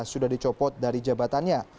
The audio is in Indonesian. sudah dicopot dari jabatannya